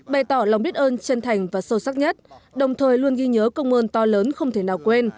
bày tỏ lòng biết ơn chân thành và sâu sắc nhất đồng thời luôn ghi nhớ công ơn to lớn không thể nào quên